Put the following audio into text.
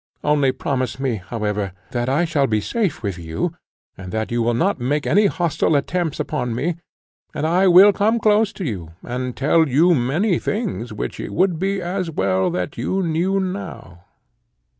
Only promise me, however, that I shall be safe with you, and that you will not make any hostile attempts upon me, and I will come close to you and tell you many things, which it would be as well that you knew now."